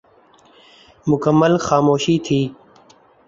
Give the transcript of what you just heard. مکمل خاموشی تھی ۔